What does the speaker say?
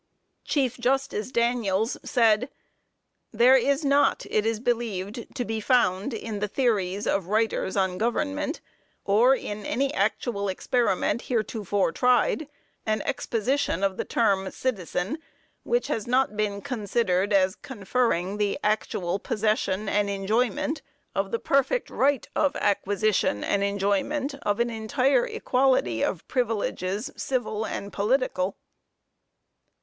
Chief Judge Daniels said: "There is not, it is believed, to be found in the theories of writers on government, or in any actual experiment heretofore tried, an exposition of the term citizen, which has not been considered as conferring the actual possession and enjoyment of the perfect right of acquisition and enjoyment of an entire equality of privileges, civil and political."